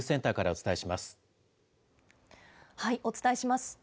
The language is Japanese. お伝えします。